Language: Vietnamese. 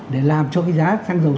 để làm cho cái giá xăng dầu